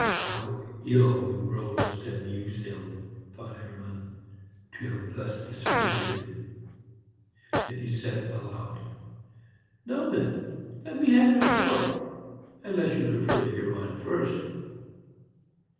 "How ill the world must have used him," thought Hermann, "to have thus disfigured him!" Then he said aloud: "Now, then, let me have your story, unless you prefer to hear mine first."